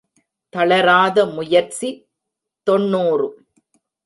தளராத முயற்சி தொன்னூறு.